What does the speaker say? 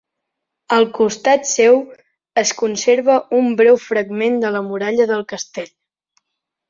Al costat seu es conserva un breu fragment de la muralla del castell.